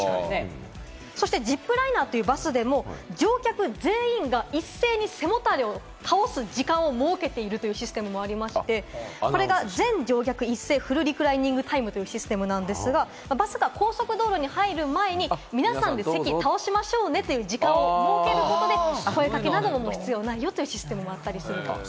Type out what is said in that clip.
そしてＶＩＰライナーというバスでも乗客全員が一斉に背もたれを倒す時間を設けているというシステムもありまして、これが全乗客一斉フルリクライニングタイムというシステムなんですが、バスが高速道路に入る前に皆さんで席を倒しましょうねという時間を設けることで、声かけなどの必要がないよというシステムです。